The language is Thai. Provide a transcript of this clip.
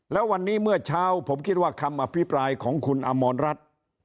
แล้ววันนี้เมื่อเช้าผมคิดว่าคำอภิปรายของคุณอมรรัฐ